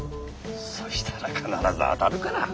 そしたら必ず当たるから。